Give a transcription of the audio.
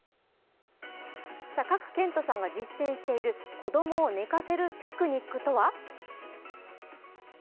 賀来賢人さんが実践している子供を寝かせるテクニックとは。